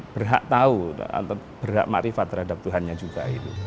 berhak tahu atau berhak marifat terhadap tuhannya juga